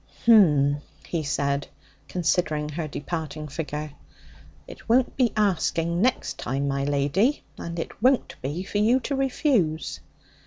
'H'm,' he said, considering her departing figure, 'it won't be asking next time, my lady! And it won't be for you to refuse.'